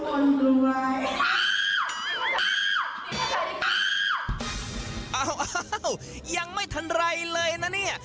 อ้าวยังไม่ทันไรเลยนะเนี่ย